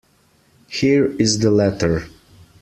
Here is the letter.